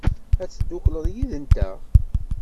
Ad teddukleḍ yid-nteɣ?